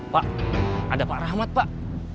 pak ada pak rahmat pak